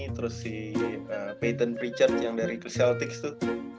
terus si peyton pritchard yang dari celtics tuh